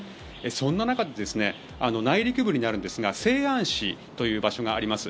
そんな中で内陸部になるんですが西安市という場所があります。